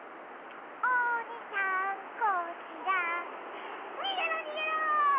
おにさんこちらにげろにげろ！